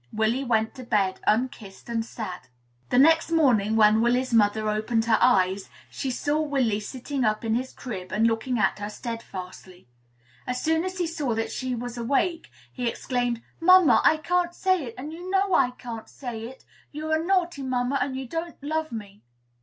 Willy went to bed, unkissed and sad. The next morning, when Willy's mother opened her eyes, she saw Willy sitting up in his crib, and looking at her steadfastly. As soon as he saw that she was awake, he exclaimed, "Mamma, I can't say it; and you know I can't say it. You're a naughty mamma, and you don't love me."